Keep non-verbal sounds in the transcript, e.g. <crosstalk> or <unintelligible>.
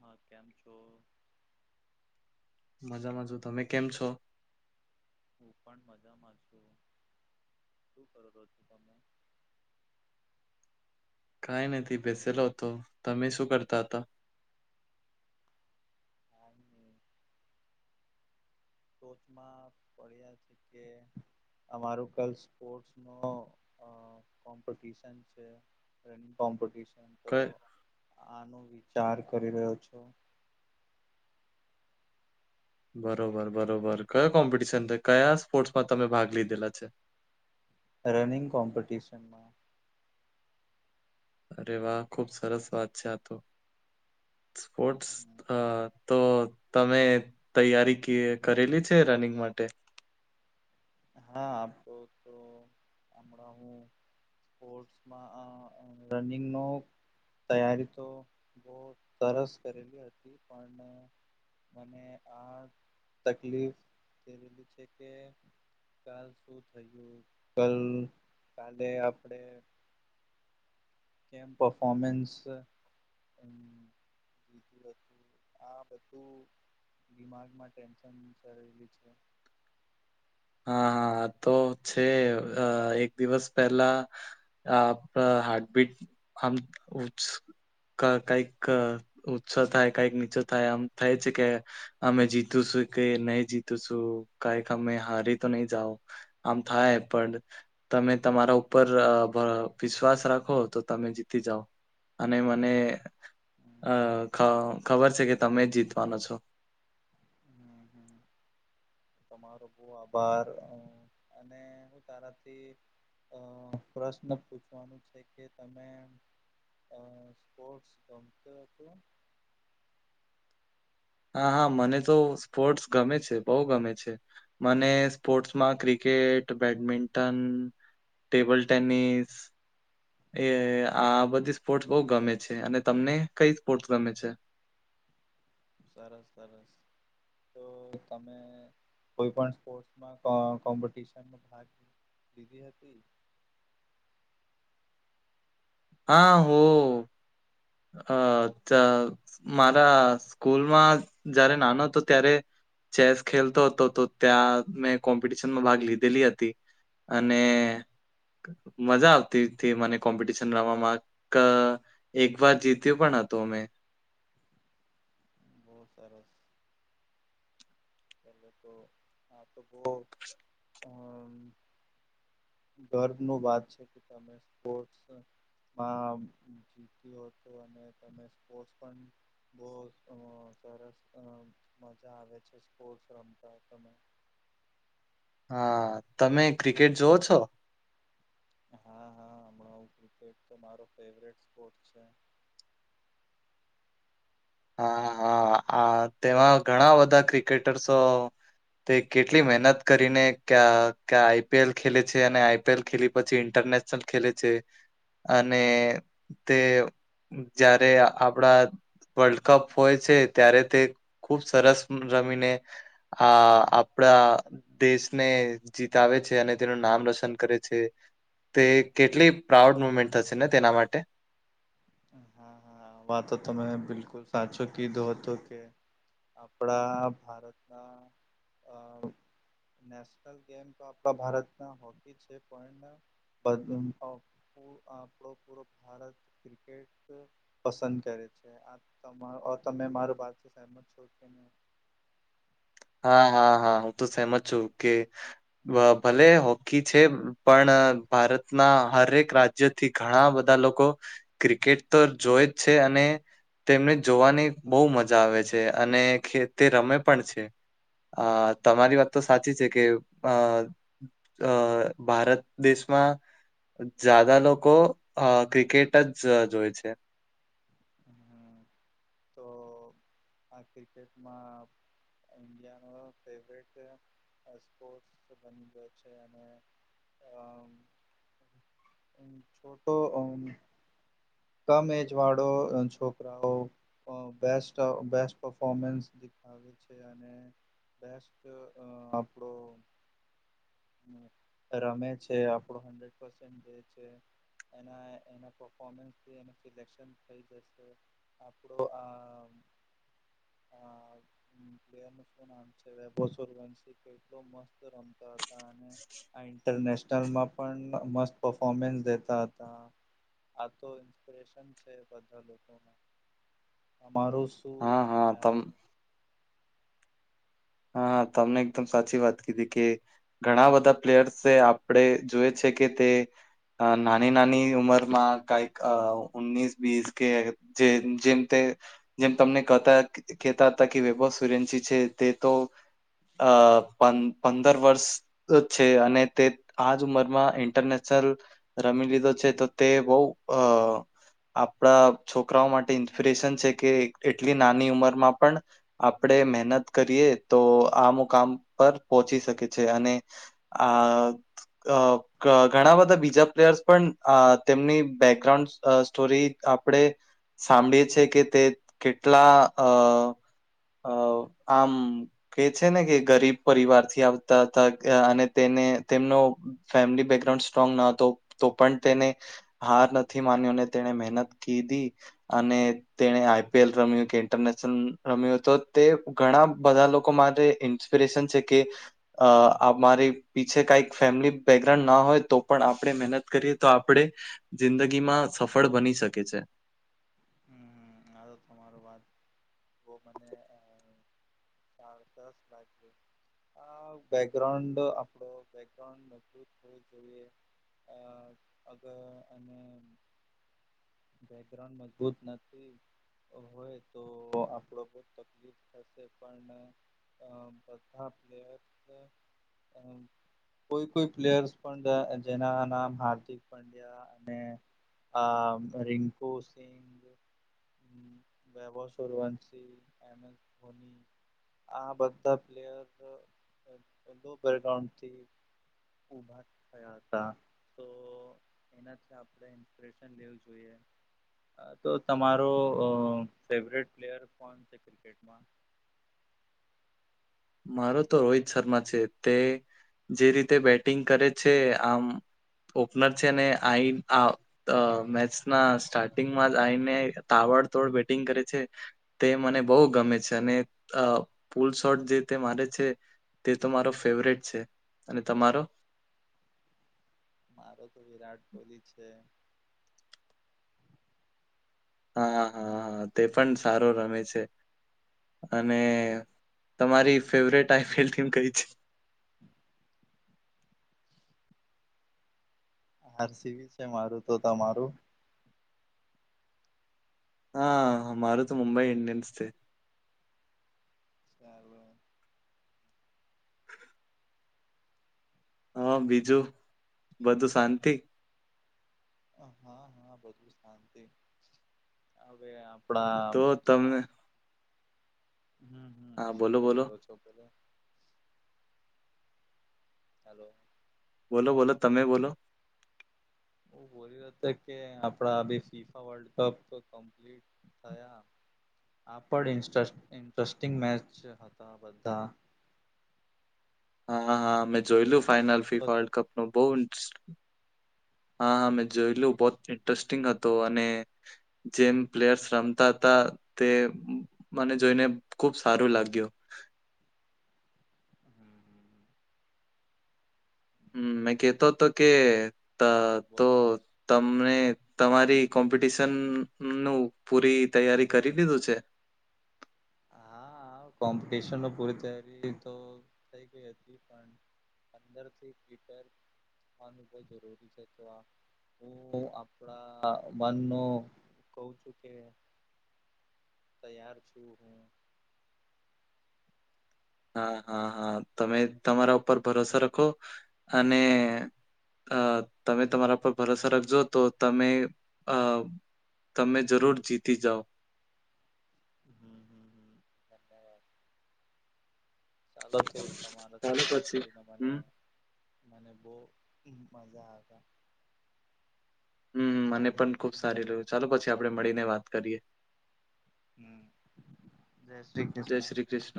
માં, કેમ છો? મજામાં છું. તમે કેમ છો? હું પણ મજામાં છું. શું કરો રહો છો તમે? કાંઈ નથી બેસેલો હતો. તમે શું કરતા હતા? કાંઈ નહી. ટોચમાં પડ્યા <unintelligible> અમારું કલ સ્પોર્ટ્સનો કોમ્પિટિશન છે રનિંગ કોમ્પિટીશન <inaudible> આનો વિચાર કરી રહ્યો છો બરોબર બરોબર કયો કોમ્પિટિશન કયા સ્પોર્ટ્સમાં તમે ભાગ લીધેલા છે રનિંગ કોમ્પિટિશન માં અરે વાહ ખુબ સરસ વાત છે આ તો સ્પોર્ટસ અ તો તમે તૈયારી કે કરેલી છે રનિંગ માટે હા આમ તો તો હમણાં હું સ્પોર્ટ્સ માં અ રનિંગ નો તૈયારી તો સરસ કરેલી હતી પણ મને આ તકલીફ થયેલી છે કે કાલ શું થયું કલ કાલે આપડે કેમ પફોમેન્સ <unintelligible> આ બધું દિમાગમાં ટેન્શન <unintelligible> છે હા હા તો છે અ એક દિવસ પહેલા આપ હાર્ટ બીટ આમ <unintelligible> કઈક ઊંચો થાય કઈક નીચે થાય આમ થાય છે કે અમે જીતુંશું કે નહી જીતું છું કઈક અમે હારી તો નહી જાવ આમ થાય પણ તમે તમારા ઉપર અ વિશ્વાસ રાખો તો તમે જીતી જાઓ. અને મને અ હમ ખ ખબર છે કે તમે જ જીતવાનો છો હમ્મ હમ્મ તમારો ખૂબ આભાર અને હું તારાથી અ પ્રશ્ન પૂછવાનું છે કે તમે અ સ્પોર્ટસ ગમતો હતો હા હા મને તો સ્પોર્ટ્સ ગમે છે બહુ ગમે છે મને સ્પોર્ટ્સમાં ક્રિકેટ બેડમિન્ટન ટેબલ ટેનિસ એ આ બધી સ્પોર્ટ્સ બહુ ગમે છે અને તમને કઈ સ્પોર્ટ્સ ગમે છે સરસ સરસ તો તમે કોઈ પણ સ્પોર્ટ્માં કોમ્પિટશનમાં ભાગ લીધી હતી હા હો અ ત મારા સ્કૂલમાં જયારે નાનો હતો ત્યારે ચેસ ખેલતો હતો તો ત્યાં મેં કોમ્પિટિશનમાં ભાગ લીધેલી હતી અને મજા આવતી હતી મને કોમ્પિટિશન રમવામાં ક વાત જીત્યું પણ હતું અમે બહુ સરસ <unintelligible> ગર્વ નું વાત છે કે તમે સ્પોર્ટ્સ માં જીત્યું હતું અને તમેં સ્પોર્ટ પણ બહુજ અ સરસ મજા આવે છે સ્પોર્ટ્સ રમતા તમે હા, તમે ક્રિકેટ જોવ છો? હા-હા, હમણાં હું ક્રિકેટ તો મારો ફેવરેટ સ્પોર્ટ છે. હા-હા, આ તેમાં ઘણા બધા ક્રિકેટર્સો તે કેટલી મહેનત કરીને ક્યા, ક્યા આઈ. પી. એલ ખેલે છે અને આઈ. પી. એલ ખેલી પછી ઇન્ટરનેશનલ ખેલે છે અને તે જ્યારે આપડા વર્લ્ડકપ હોય છે, ત્યારે તે ખુબ સરસ રમીને આ.. આપડા દેશને જીતાવે છે અને તેનું નામ રોશન કરે છે. તે કેટલી પ્રાઉડ મુમેન્ટ થશે ને તેના માટે હા-હા, વા તો તમે બિલકુલ સાચો કીધો હતો કે આપડા ભારતના અ નેસ નેશનલ ગેમ તો આપણાં ભારત માં હોકી છે, પણ <unintelligible> આપડો પૂરો ભારત ક્રિકેટ પસંદ કરે છે, આ તમા અ તમે મારો ભાર થિ સહેમત છો? હા.. હા.. હા, હું તો સહેમત છું કે હમ ભલે હૉકી કી છે, પણ ભારતના હરેક રાજ્યથી ઘણા બધા લોકો ક્રિકેટ તો જોય જ છે અને તેમને જોવાની બહુ મજા આવે છે અને તે રમે પણ છે. અ તમારી વાત તો સાચી છે કે અ અ.. ભારત દેશમાં જ્યાદા લોકો અ ક્રિકેટ જ જોય છે. હમ્મ તો.. આ ક્રિકેટમાં ઇન્ડિયાનો ફેવરેટ અ સ્પોર્ટસ બની ગયો છે અને આમ ફોટો અમ કમ એજ વાળો અ.. છોકરાઓ અ બેસ્ટ, અ બેસ્ટ પરફોમન્સ દેખાવે છે અને બેસ્ટ અ આપડો રમે છે, આપડો હંડ્રેડ પસેન્ટ દે છે. એના, એના પરફોમન્સથી એનું સિલેક્શન થઇ જશે. આપડો આમ, આ પ્લેયર <unintelligible> આમ છે, <unintelligible> મસ્ત રમતા આ ઇન્ટરનેશનલ માં પણ મસ્ત પફોમન્સ દેતા હતા. આ તો ઇન્સ્પિરેશન છે બધા લોકોમાં, અમારું એવો હા હા વિચાર તમ છે. હા, તમે એકદમ સાચી વાત કીધી કે ઘણા બધા પ્લેયર્સે છે, આપણેે જોયે છે કે તે અ નાની-નાની ઉંમર માં કઈક અ ઉન્નીસ બીસ કે જે જેમ તે, જેમ તમને કતા કેહેતા હતા કે વૈભવ સુયૅવંશી છે તે તો આ પન પંદર વર્ષ નો જ છે અને તે આજ ઉંમરમાં ઇન્ટરનેશનલ રમી લીધો છે તો તે બઉ અ આપણા છોકરાઓ માટે ઇન્સ્પિરેશન છે કે એટલી નાની ઉંમરમાં પણ આપણે મહેનત કરીએ તો આ મુકામ પર પહોંચી શકે છે અને આ. અ અ ઘણા બધા બીજા પ્લેયર્સ પણ અ તેમની બેકગ્રાઉન્ડ અ સ્ટોરી આપણે સાંભળીએ છે કે તે કેટલા અ અ આમ કે છે ને કે ગરીબ પરિવાર થી આવતા હતા અને તેને તેમનો ફેમિલી બેકગ્રાઉન્ડ સ્ટ્રોંગ ન હતો તો પણ તેને હાર નથી માન્યો ને તેને મહેનત કીધી અને તેણે આઈ. પી. એલ રમ્યું કે ઇન્ટરનેશનલ રમ્યું તો તે ઘણા બધા લોકો લોકો માટે ઇન્સ્પિરેશન છે કે અ અમારી પીછે કંઈક ફેમિલી બેકગ્રાઉન્ડ ના હોય તો પણ આપણે મહેનત કરીએ તો આપણેે જિંદગીમાં સફળ બની શકે છે હમમ આ તો તમારો વાત બહુ મને અ સાડા દસ થાય છે આ બેકગ્રાઉન્ડ આપણો બેકગ્રાઉન્ડ મજબૂત થવું જોઈએ અ અગ અને બેકગ્રાઉન્ડ મજબૂત નથી હોય તો આપણે બહુ તકલીફ થશે પણ અ બધા પ્લેયર સે કોઈ કોઈ પ્લેયર્સ પણ જેના નામ હાર્દિક પંડ્યા અને આમ રિંકુ સિંઘ વૈભવ સૂર્યવંશી એમ એસ ધોની આ બધા પ્લેયર્સ બેકગ્રાઉન્ડ થી ઉભા થયા હતા તો એનાથી આપણે ઇન્સ્પિરેશન લેવું જોઈએ જોઈએ તો તમારો અ ફેવરેટ પ્લેયર કોણ છે ક્રિકેટમાં મારો તો રોહિત શર્મા છે તે જે રીતે બેટિંગ કરે છે આમ ઓપનર છે ને આઈન આ અ મેચના સ્ટાર્ટિંગમાં જ આઈને તાબડતોડ બેટિંગ કરે છે તે મને બહુ ગમે છે અને અ પુલ શોટ જે ને મારે છે તે તો મારો ફેવરેટ છે અને તમારો મારો તો વિરાટ કોહલી છે હા હા હા તે પણ સારો રમે છે અને તમારી ફેવરેટ આઈપીએલ ટીમ કઈ છે <unintelligible> આરસીબી છે મારું તો તમારું હા મારું તો મુંબઈ ઇન્ડિયન્સ છે તારો હા બીજું બધુ શાંતિ હા હા બધું શાંતિ હવે આપણા તો આ તમને હમ હમ હા શું બોલો બોલો બોલી રો છો બોલો હલો બોલો બોલો તમે બોલો હું બોલ્યો તે કે આપણા બે ફીફા વર્લ્ડ કપ તો કમ્પ્લીટ થા યા આ પણ ઈન્સટ ઇન્ટરેસ્ટિંગ મેચ હતા, બધા હા, હા મેં તમે જોયેલું તમે ફાઈનલ જોયો ફીફા હતો વર્લ્ડકપનું બહું ઇન્સ, હા, હા મેં જોયેલુ બહુત ઇન્ટરેસ્ટિંગ હતુ, અને જેમ પ્લેયર્સ રમતાતા તે, મને જોઈને ખુબ સારુ લાગ્યું, હું, હું. હું મે કેતો હતો, કે તો એતો બોલો તમને તમારી કોમ્પિટિશનનું પૂરી તૈયારી કરી દીધું છે, હા, હા કોમ્પિટિશનનો પૂરી તૈયારી તો થઈ ગઈ હતી, પણ પંદરથી હીટર આનુ કઈ જરૂરી છે, તોઆ હું આપડા મનનો કઉ છું, કે તૈયાર છું, હું હા, હા, હા તમે તમારા ઉપર ભરોસો રાખો, અને અ તમે તમારા પર ભરોસો રાખજો તો તમે અ. તમે જરૂર જીતી જાઓ, હું, હું. ચાલો તો તમારાથી ચાલો વાત પછી કરીને મને, હમ મને બહુ મજા આવ્યા, હું મને પણ ખુબ સારી રહ્યું ચાલો પછી આપડે મળીને વાત કરીયે, હું જય શ્રી જય કૃષ્ણ, શ્રી કૃષ્ણ